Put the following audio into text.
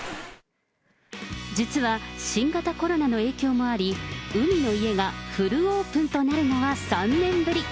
実は新型コロナの影響もあり、海の家がフルオープンとなるのは３年ぶり。